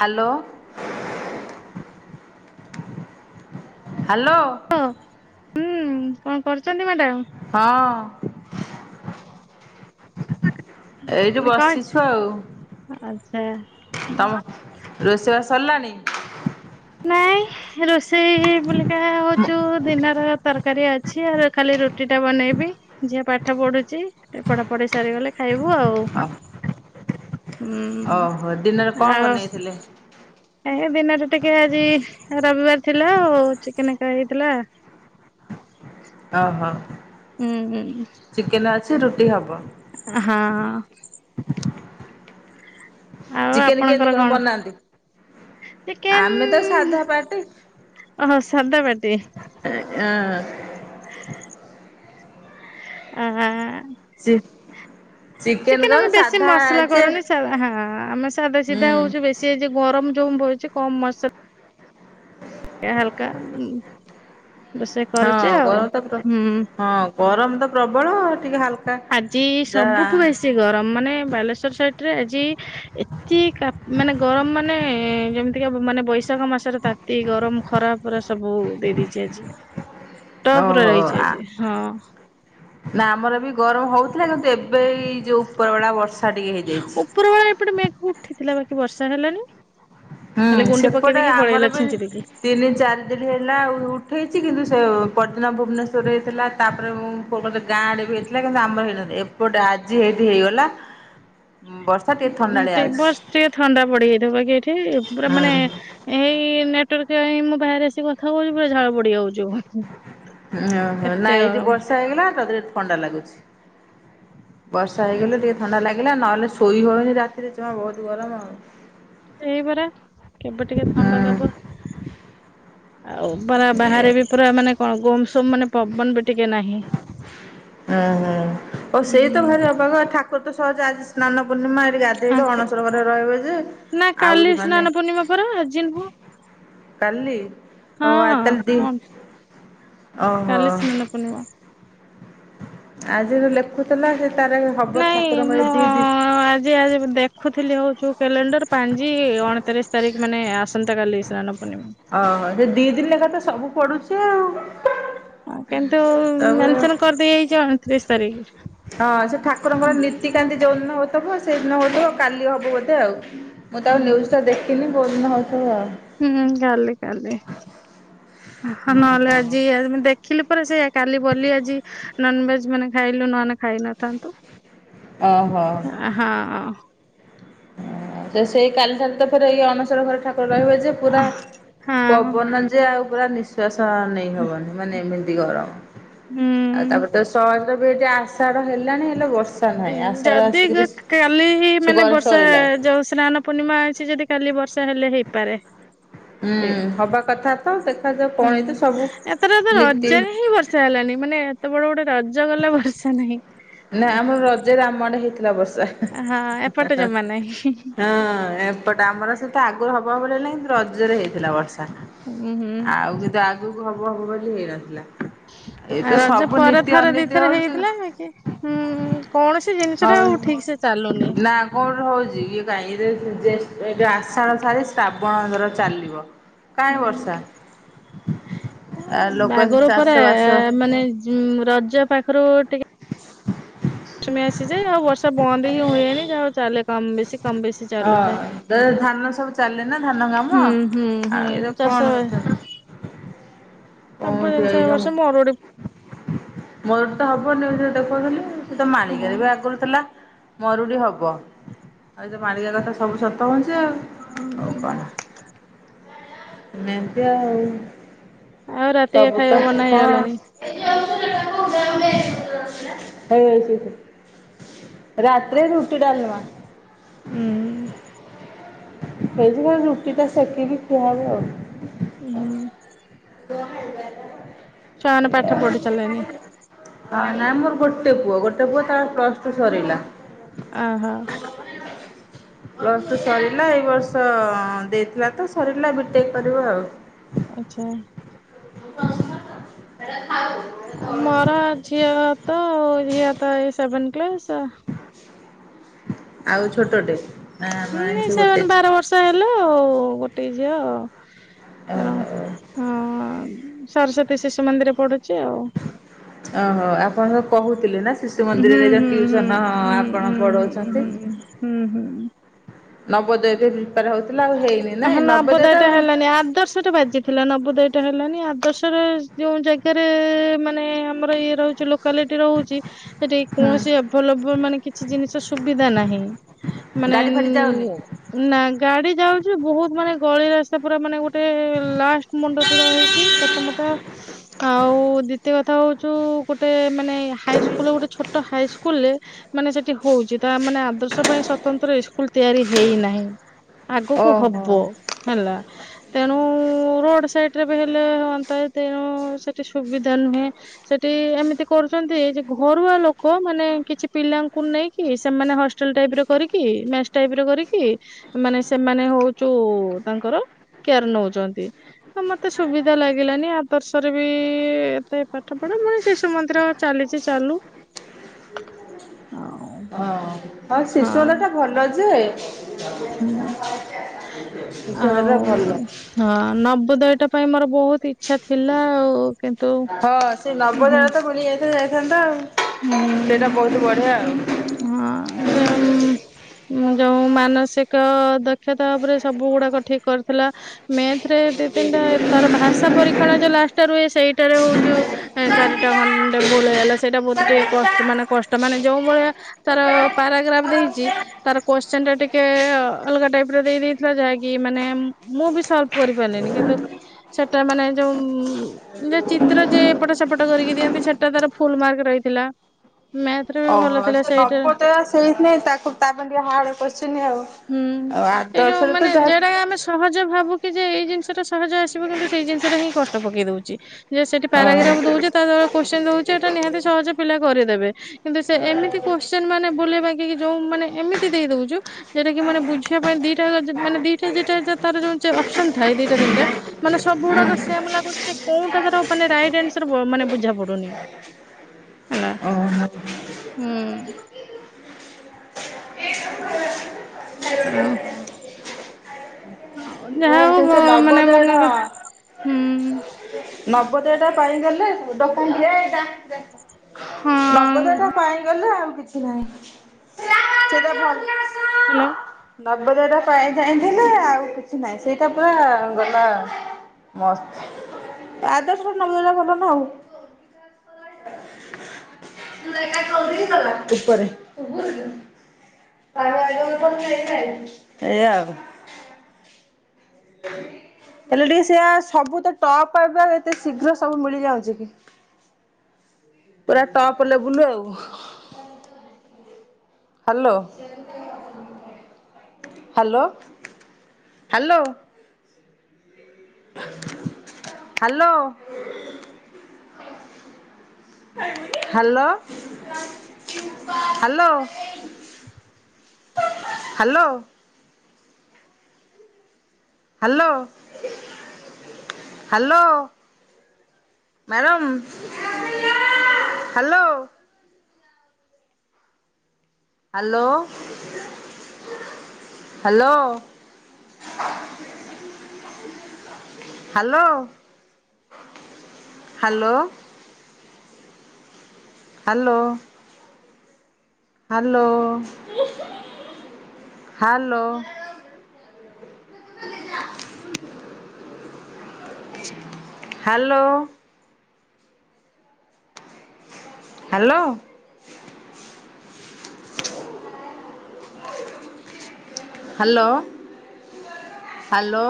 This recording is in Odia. ହ୍ୟାଲୋ। ହ୍ୟାଲୋ। ଲୋ, ହୁଁ, କଣ କରୁଛନ୍ତି ମ୍ୟାଡାମ୍? ହଁ। ଏଇଠି ମାନେ କଣ ବସିଛୁ ଆଉ। ଆଚ୍ଛା। ତମ, ରୋଷେଇବାସ ସରିଲାନି? ନାଇଁ, ରୋଷେଇ ବଲିକା ହଉଛୁ ଦିନର ତରକାରୀ ଅଛି। ଆ ଖାଲି ରୁଟି ଟା ବନେଇବି। ଝିଅ ପାଠ ପଢୁଛି, ଟିଏ ପଢା ପଢି ସାରିଗଲେ ଖାଇବୁ ଆଉ। ହୁଁ, ଓହୋ ଦିନରେ କଣ ଆଉ ବନେଇଥିଲେ ଏ ଦିନ ରେ ଟିକେ ଆଜି ରବିବାର ଥିଲା, ଆଉ ଚିକେନ୍ କା ହେଇଥିଲା। ଅ ହଁ। ଉଁ, ଉଁ। ଚିକେନ୍ ଅଛି, ରୁଟି ହବ। ହଁ। ଆଉ ଚିକେନ୍ କେଁତି କଣ ବନାନ୍ତି? ଆମେ ତ ଚିକେନ୍-ନ୍ ହୁଁ ସାଧା ପାଟି ଓହୋ, ସାଧାପାଟି! ଏ ଅଁ। ଆ-ଆ ଚିକ୍-ଚିକେନ୍ କଣ ସାଧା ଯେ ସା ହଁ, ଆମେ ସାଧା ହୁଁ ସିଧା ହଉଛୁ ବେଶୀ ହେଇଛି ଗରମ ଯୋଉ ବଇଛି କମ୍ ମସ୍ ହଁ ଏ ହାଲ୍କା ରୋଷେଇ କରୁଛି ହଁ ଆଉ। ଗରମ ତ ହୁଁ ହଁ ଗରମ ତ ପ୍ରବଳ। ଟିକେ ହାଲକା ଯାହା ଚି ଗରମ ମାନେ ବାଲେଶ୍ଵର ସାଇଟ୍ ଟେରେ ଆଜି, ଏତି କା ମାନେ ଗରମ ମାନେ ଯେମ ତିକେ ମାନେ ବୈଶାଖ ମାସରେ ତାତି ଗରମ ଖରାପ ପୁରା ସବୁ ଦେଇ ଦେଇଛି ଆଜି। ଟପରେ ଓହୋ, ରହିଛି ଆ ଆଜି ହଁ ନା ଆମର ବି ଗରମ ହଉଥିଲା କିନ୍ତୁ, ଏବେଇ ଯୋଉ ଉପର ବେଳା ବର୍ଷା ଟିକେ ହେଇ ଉପର ବେଳା ଏପଟେ ମେଘ ଉଠିଥିଲା, ବାକି ବର୍ଷା ହେଲାନି। ହୁଁ, ଖାଲି ଗୁଣ୍ଡି ପକେଇ ସେପଟେ ଦେଇକି ଆମର ପଳେଇଲା ବି ଛିଞ୍ଚି ଦେଇକି। ତିନି ଚାରି ଲି ହେଲା ଆ ଉଠେଇଛି କିନ୍ତୁ ସେ ପରଦିନ ଭୁବନେଶ୍ୱରରେ ହେଇଥିଲା। ତାପରେ ମୁଁ ବଉ କହୁଥିଲେ, ଗାଁ ଆଡେ ବି ହେଇଥିଲା କିନ୍ତୁ ଆମର ହେଇନନ୍ତି, ଏପଟେ ଆଜି ହେଇଠି ହେଇଗଲା ବର୍ଷ ତେ ବର୍ଷ ଟିକେ ଥଣ୍ଡା ପଡିଯାଇଥବ ବାକି ଏଇଠି ପୁରା ମାନେ ଏଇ ନେଟୱାର୍କ, ପାଇଁ ମୁଁ ବାହାରେ ଆସିକି କଥା କହୁଛି, ପୁରା ଝାଳ ପଡିଯାଉଛି ମୁଁ। ଓହୋ, ନାଇ ଏଇ ବର୍ଷା ହେଇଗଲା ତା ଦେହରେ ଥଣ୍ଡା ଲାଗୁଛି। ବର୍ଷା ହେଇଗଲେ ଅଛି ଟିକେ ଥଣ୍ଡା ଲାଗିଲା। ନହେଲେ ଶୋଇ ହଉନି ରାତିରେ ଜମା ବହୁତ ଗରମ ଏଇପରା କେବେ ଟିକେ ଥଣ୍ଡା ଦବ? ହୁଁ ଆଉ ପରା ଏ ବାହାରେ ବି ପୁରା ମାନେ କଣ ଗୋମ୍ ସୋମ୍ ମାନେ ପବନ ବି ଟିକେ ନାହିଁ। ଓଁ ହଁ ଓ ସେଇ ତ ଘରେ ଅବାଗା ଠାକୁର ତ ସହଜ ଆଜି ସ୍ନାନ ପୂର୍ଣ୍ଣିମା ଗାଧେଇଲେ ଅଣସର ଘରେ ରହିବ ଯେ, ନା କାଲି ଆହୁରି ମାନେ ସ୍ନାନ ପୂର୍ଣ୍ଣିମା ପରା ଆଜି ନୁହଁ କାଲି! ଓ ହଁ ଆ ତାଲେ ଦି କଣ ଓହୋ। ପୁଣ୍ୟ। ଆଜି ଯୋ ଲେଖୁଥିଲା ସେ ତାର ହବ ଠାକୁରଙ୍କର ଦି ଦିନ ଯେ ଆଜି ମୁ ଦେଖୁଥିଲି ହଉଚୁ କ୍ୟାଲେଣ୍ଡର ପାଞ୍ଜି ଅଣତିରିଶ ତାରିଖ ମାନେ ଆସନ୍ତା କଲି ସ୍ନାନ ପୂର୍ଣ୍ଣିମା। ଓହୋ ସେ ଦି ଦିନ ଲେଖା ତ ସବୁ ପଡୁଛି ଆଉ। ହଁ କିନ୍ତୁ ସବୁ ମେନସନ କରିଦେଇଯାଇଛି ଅଣତିରିଶ ତାରିଖ। ହଁ ସେ ଠାକୁରଙ୍କର ନୀତିକାନ୍ତି ଯୋଉଦିନ ହଉଥିବ ସେଇଦିନ ହଉଥିବ କାଲି ହବ ବୋଧେ ଆଉ। ମୁଁ ତ ଆଉ ନ୍ୟୁଜ୍ଟା ଦେଖିନି ଭହୁଲ ନେଉ [inaudible] ଥବ ଆଉ। ହୁଁ କାଲି କାଲି ନହେଲେ ଆଜି ଯ ଦେଖିଲି ପୁରା ସେଇ କାଲି ବୋଲି ଆଜି ନନଭେଜ ମାନେ ଖାଇଲୁ ନୂହେନେ ଖାଇ ନଥାନ୍ତୁ। ଆଉ ଓହୋ। ହଁ ସେ ସେଇ କାଲି ଠାରୁ ତ ଫେରେ ଏଇ ଅନସର ଘରେ ଠାକୁର ରହିବେ ଯେ ପୁରା ହଁ ପବନ ଯେ ଆଉ ପୁରା ନିଃଶ୍ଵାସ ନେଇ ହବନି ମାନେ ଏମିତି ଗରମ। ଆଉ ହୁଁ ତାପରେ ତ ସହଜ ବି ହେଠି ଆସ ଆଷାଢ ହେଲାଣି ହେଲେ ବର୍ଷା ନାହିଁ ଆଷାଢ ଆସିକରି ସେ ଯୋଉ ସ୍ନାନ ପୂର୍ଣ୍ଣିମା ଅଛି ଯଦି କାଲି ବର୍ଷା ହେଲେ ହେଇପାରେ। ହୁଁ ସେଇଆ ହବା କଥା ତ ଦେଖାଯାଉ ହୁଁ କଣ ଏତ ସବୁ ଏଥର ତ ନୀତି ରଜରେ ହିଁ ବର୍ଷା ହେଲାନି ମାନେ ଏତେ ବଡ ଗୋଟେ ରଜ ଗଲା ବର୍ଷା ନାହିଁ। ଆମାଆଡେ ହେଇଥିଲା ବର୍ଷା। ହଁ ଏପଟେ ଜମା ନାହିଁ। ହଁ ଏପଟେ ଆମର ସେତ ଆଗରୁ ହବହବ ଭଳି ହେନ୍ତି ରଜରେ ହେଇଥିଲା ବର୍ଷା। ଉୁଁ ହୁଁ ଆଉ କିନ୍ତୁ ଆଗ ରଜକୁ ହବ ହବ ବୋଲି ହେଇନଥିଲା। ଏଇ ଆ ତ ରଜ ସବୁ ପରେ ନୀତି ଥରେ ଦି ଅନୀତି ଏଥର ହଉଛି ହେଇଥିଲା କି ହୁଁ କୌଣସି ଜିନିଷଟା ଆଉ ଠିକ ସେ ଚାଲୁନି। କଣ ହଉଛି ଇଏ କାଇଁ ଜେ ଜେ ଏବେ ଆଷାଢ ସାରି ଶ୍ରାବଣ ଦର ଚାଲିବ କାଇଁ ବର୍ଷା? ଆ ଲୋକ ଏମତି ଚାଷବାସ ରଜପାଖରୁ ଟିକେ ମୌସୁମୀ ଆସିଯାଏ ଆଉ ବର୍ଷା ବନ୍ଦ ହିଁ ହୁଏନି ଯାହାହଉ ଚାଲେ କମ ବେଶୀ କମ ବେଶୀ। ଚାଲୁଥାଏ। ଅ ଧାନ ସବୁ ଚାଲେ ନା ଧାନ କାମ ହୁଁ ହୁଁ ହୁଁ ଆଉ ଏଇଟା କଣ ଚାଷ କଥା ତାପରେ କୋଉଠି ସେ ଏଇ ଯୋଉ ବର୍ଷ ମରୁଡି ମରୁଡି ତ ହବ ନିୟୁଜରେ ଦେଖୁଥିଲି ସେ ତ ମାଳିକାରେ ବି ହଁ ଆଗରୁ ଥିଲା। ମରୁଡ଼ି ହେବ ଆ ତ ମାଳିକା କଥା ସବୁ ସତ ହଉଛି ଆଉ। ହୁଁ ହୁଁ। ଏମତି ଆଉ ଆଉ ରାତିକ ସବୁ ତ ଖାଇବା ବନା ହଁ ହେଇଗଲାଣି? [inaudible] ରାତିରେ ରୁଟି, ଡାଲମା। ହୁଁ। ସେଇଥିପାଇଁ ରୁଟିଟା ସେକିବି ଖିଆହୁଏ ଆଉ। ଉଁ ହୁଁ [inaudible] ଛୁଆମାନେ ପାଠ ପଢି ସାରିଲେଣି। ହ ନାଇଁ ମୋର ଗୋଟେ ପୁଅ ଗୋଟେ ପୁଅ ତାର ପ୍ଲସଟୁ ସରିଲା। ଅ ହୋ। ବର୍ଷ ସରିଲା ଏଇ ବର୍ଷ ଦେଇଥିଲା ତ ସରିଲା ବି ଟେକ୍ କରିବ ଆଉ। ଆଚ୍ଛା [inaudible] ଆଉ ମୋର ଝିଅ ତ ଝିଅ ତ ଏଇ ସେଭେନ କ୍ଲାସ। ଆଉ ଛୋଟଟେ ନା ନି ସେ ଗୋଟେ ସେମାନେ ବାର ଝିଅ ବର୍ଷ ହେଲା ଆଉ ଗୋଟେ ଝିଅ କଣ। ଓହୋ। ହଁ ହଁ ସରସ୍ଵତୀ ଶିଶୁ ମନ୍ଦିରରେ ପଡୁଛି ଆଉ। ଓହୋ ଆପଣ କହୁଥିଲେ ନା ସି ଶିଶୁ ହୁଁ ମନ୍ଦିରରେ ଯୋ ହୁଁ ହୁଁ ଟିଉସନ ହୁଁ ଆପଣ ହୁଁ ହୁଁ ପଢଉଛନ୍ତି? ହୁଁ। ହୁଁ ହୁଁ। ନବୋଦୟ ପାଇଁ ପ୍ରିପାର ହଉଥିଲା ଆଉ ହେଇନି ନାଇଁ ନବୋଦୟ ଟା ମାନେ ଆଦର୍ଶ ବାଜିଥିଲା ନବୋଦୟଟା ହେଲାନି। ଆଦର୍ଶରେ ଯୋଉ ଜାଗାରେ ମାନେ ଆମର ଇଏ ରହିଥିଲୁ କାଲିଟି ରହୁଛି ସେଠି କୌଣସି ଏଭଲେଭଲ ମାନେ କିଛି ଜିନିଷ ସୁବିଧା ନାହିଁ। ମାନେ ଗାଡି ଫାଡି ଉ ଯାଉନି। ନା ଗାଡି ଯାଉଚି ବହୁତ ମାନେ ଗଳି ରା ପୁରା ମାନେ ଗୋଟେ ଲାଷ୍ଟ ମୁଣ୍ଡ [unintelligible] ହେଇଛି ପ୍ରଥମତ ଆଉ ଦ୍ୱିତୀୟ କଥା ହଉଛୁ ଗୋଟେ ମାନେ ହାଇସ୍କୁଲରେ ଗୋଟେ ଛୋଟ ହାଇସ୍କୁଲରେ ମାନେ ସେଠି ହଉଛି ତା ମାନେ ଆଦର୍ଶ ପାଇଁ ସ୍ଵତନ୍ତ୍ର ସ୍କୁଲ ତିଆରି ହେଇନାହିଁ। ଆଗକୁ ଓହୋ ହବ ହେଲା। ତେଣୁ ରୋଡ ସାଇଡରେ ବି ହେଲେ ହୁଅନ୍ତା ତେଣୁ ସେଠି ସୁବିଧା ନୁହେଁ। ସେଠି ଏମିତି କରୁଛନ୍ତି ଯେ ଘରୁଆ ଲୋକ ମାନେ କିଛି ପିଲାଙ୍କୁ ନେଇ କି ସେମାନେ ହଷ୍ଟେଲ ଟାଇପର କରିକି ମେସ ଟାଇପର କରିକି। ମାନେ ସେମାନେ ହଉଚୁ ତାଙ୍କର କେୟାର ନଉଛନ୍ତି। ତ ମତେ ସୁବିଧା ଲାଗିଲାନି ଆଦର୍ଶରେ ବି ଏତେ ପାଠ ପଢା ମାନେ ଶିଶୁ ମନ୍ଦିର ଚାଲିଚି ଚାଲୁ। ଆଉ ହଁ ହଁ ଶିଶୁମନ୍ଦିର ଟା ଭଲ ଯେ ହୁଁ। ଆଉ ସେଟଟା ଭଲ। ହଁ ନବୋଦୟଟା ପାଇଁ ମୋର ବହୁତ ଇଚ୍ଛା ଥିଲା ଆଉ କିନ୍ ହଁ ସେ ନବୋଦୟଟା ମିଲିଯାଇଥିଲେ ଯାଇଥାନ୍ତା ଆଉ ହୁଁ ସେଇଟା ବହୁତ ବଢିଆ ଆଉ। ହଁ ସେ ଯୋଉ ମାନସିକ ଦକ୍ଷତା ଭାବରେ ସବୁ ଗୁଡାକ ଠିକ କରିଥିଲା। ମ୍ୟାଥରେ ଦୁଇ ତିନିଟା ତାର ଭାଷା ପରୀକ୍ଷଣ ଯେଉ ଲାଷ୍ଟଟା ରୁହେ ସେଇଟାରେ ହେଉଛୁ ଚାରିଟା ଖଣ୍ଡେ ଭୁଲ ହେଇଗଲା ସେଇଟା ବହୁତ ଟିକେ କଷ୍ଟ ମାନେ କଷ୍ଟ ମାନେ ଯୋଉ ଭଳିଆ ତାର ପାରାଗ୍ରାଫ ଦେଇଛି। ତାର କୋଶ୍ଚନଟା ଟିକେ ଅଲଗା ଟାଇପ ର ଦେଇ ଦେଇେଇଥିଲା ଯାହାକି ମାନେ ମୁଁ ବି ସ କରିପାରିଲେଣିି କିନ୍ତୁ ସେଟା ମାନେ ଯୋଉ ନେଚିତ୍ର ଯେ ଏପଟ ସେପଟ କରିକି ଦିଅନ୍ତି ସେଟା ତାର ଫୁଲ ମାର୍କ ରହିଥିଲା ମ୍ୟାର୍ଥ ରେ। ଓହୋ ସେ ନବ ତ ସେଇଥି ନାଇଁ ତାକୁ ତାପ ଟିକେ ହାଡ [unintelligible] ଆଉ। ହୁଁ ଆଉ ଏଇ ଯୋଉ ଆଦର୍ଶରେ ମାନେ ତ ଯାହା ଯେଟା ଆମେ ସହଜ ଭାବୁ କି ଯେ ଏଇ ଜିନିଷ ଟା ସହଜ ଆସିବ କିନ୍ତୁ ସେଇ ଜିନିଷଟା ହିଁ କଷ୍ଟ ପକେଇ ଦଉଛି। ଯେ ସେଠି ପାରାଗ୍ରା୍ ହଁ ଦଉଛି ତାଳରେ କୋଶ୍ଚି ଦଉଛି ଏଇଟା ନିହାତି ସହଜେ ପିଲା କରିଦେବେ କିନ୍ତୁ ସେ ଏମିତି କୋଶ୍ଚନି ମାନେ ବୁଲେଇ ବାଙ୍କୀକି ଯୋଉ ମାନେ ଏମିତି ଦେଇ ଦଉଚୁ ଯେଉଟା କି ମାନେ ବୁଝିବା ପାଇଁ ଦିଟା ମାନେ ଦିଟା ଯେଟା ତାର ଯ ଅପସ ଥାଏ ଦିଟା ତିନିଟା ମାନେ ସବୁ ଗୁଡାକ ସେମ ଲାଗୁଚି ଯେ କୋଉଟା ତାର ମାନେ ରଟ ଆସର ମାନେ ବୁଝା ପଡୁନି। ନା ଓହୋ। ହୁଁ। ଆଉ ହଁ ଯାହା [unintelligible] ହଁ ହଉ ବ- ମାନେ ନବଦୟ ବଙ୍କା କଥା। ହୁଁ [unintelligible] ନବଦୟ ଟା ପାଇଗଲେ ହଁ ନାହିଁ ସେଇଟା ଭଲ ହ୍ୟାଲୋ। ନବଦଟା ପାଇଁ ଯାଇଥିଲେ ଆଉ କିଛି ନାହିଁ। ସେଇଟା ପୁରା ଗଲା ମସ୍ତ ଆଦଶ ନବୋ କଲ ନା ଆଉ [unintelligible] ଉପରେ। [unintelligible] [inaudible] ହେଲେ ଟିକେ ସେଆ ସବୁ ତ ଟପ୍ବେ ଏତେ ଶୀଘ୍ର ସବୁ ମିଳିଯାଉଛି କି? ପୁରା ଟପ୍ ଲେବୁଲୁ ଆଉ। Hello hello hello. Hello. Hello. Hello. Hello. Hello. Hello. Madam [unintelligible] hello hello. Hello. Hello. Hello. Hello. Hello. Hello. Hello. Hello. Hello. Hello.